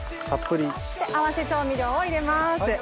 合わせ調味料を入れます。